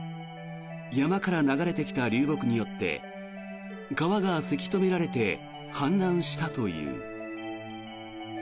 山から流れてきた流木によって川がせき止められて氾濫したという。